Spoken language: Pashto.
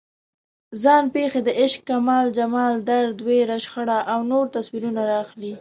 ځان پېښې د عشق، کمال، جمال، درد، ویر، شخړو او نورو تصویرونه راخلي.